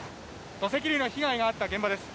土石流の被害があった現場です。